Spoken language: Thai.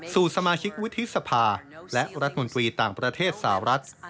สู่สมาชิกวุฒิสภาและรัฐมนตรีต่างประเทศสาวรัฐ